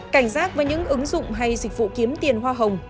cảnh giác với những ứng dụng hay dịch vụ kiếm tiền hoa hồng